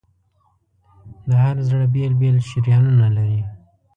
د هر زړه بېل بېل شریانونه لري.